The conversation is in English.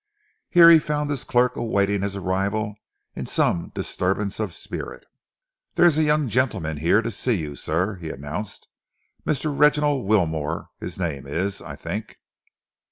Here he found his clerk awaiting his arrival in some disturbance of spirit. "There is a young gentleman here to see you, sir," he announced. "Mr. Reginald Wilmore his name is, I think."